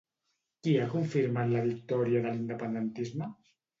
Qui ha confirmat la victòria de l'independentisme?